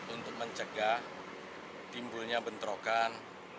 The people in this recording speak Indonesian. untuk mencegah timbulnya bentrokan